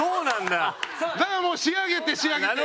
だからもう仕上げて仕上げて。